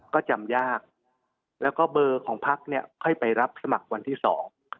ก็จำยากแล้วก็เบอร์ของพักเนี่ยค่อยไปรับสมัครวันที่สอง